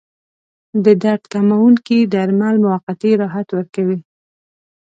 د درد کموونکي درمل موقتي راحت ورکوي.